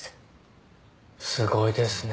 すごいですね。